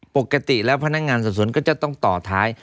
ปกติแล้วพนักงานสอบสวนก็จะต้องต่อท้าย